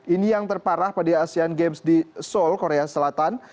ini yang terparah pada asean games di seoul korea selatan